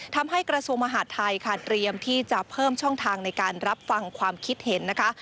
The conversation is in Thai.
กระทรวงมหาดไทยค่ะเตรียมที่จะเพิ่มช่องทางในการรับฟังความคิดเห็นนะคะ